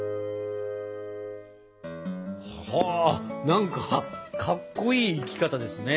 何かかっこいい生き方ですね。